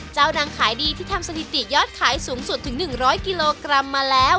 ดังขายดีที่ทำสถิติยอดขายสูงสุดถึง๑๐๐กิโลกรัมมาแล้ว